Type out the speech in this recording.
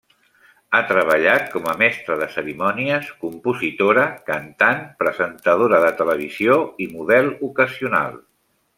Ha treballat com a mestra de cerimònies, compositora, cantant, presentadora de televisió i model ocasional.